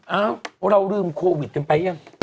เอ้าเราลืมโควิดกันไปยัง